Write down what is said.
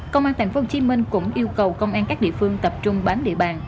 công an tp hcm cũng yêu cầu công an các địa phương tập trung bám địa bàn